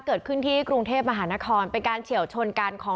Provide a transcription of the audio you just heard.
เกิดขึ้นที่กรุงเทพมหานครเป็นการเฉียวชนกันของ